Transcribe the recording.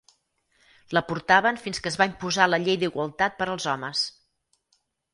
La portaven fins que es va imposar la llei d'igualtat per als homes.